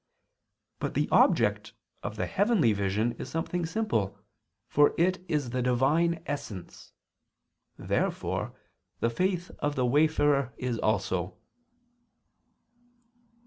But the object of the heavenly vision is something simple, for it is the Divine Essence. Therefore the faith of the wayfarer is also.